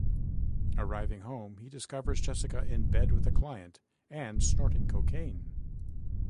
Arriving home, he discovers Jessica in bed with a client and snorting cocaine.